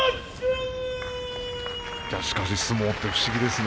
しかし相撲って不思議ですね。